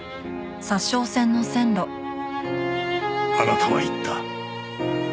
あなたは言った。